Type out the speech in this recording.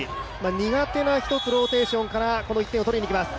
苦手なローテーションからこの１点を取りにきます。